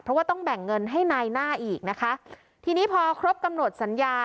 เพราะว่าต้องแบ่งเงินให้นายหน้าอีกนะคะทีนี้พอครบกำหนดสัญญา